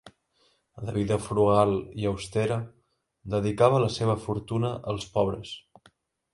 De vida frugal i austera, dedicava la seva fortuna als pobres.